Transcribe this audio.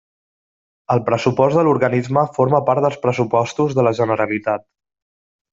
El pressupost de l'organisme forma part dels Pressupostos de la Generalitat.